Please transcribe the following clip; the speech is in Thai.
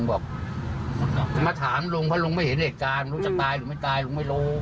น่ะทำมาถามลุงเพราะลูกมาเยอะเองหนูจะตายหรือไม่